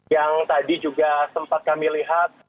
yang tadi juga sempat kami lihat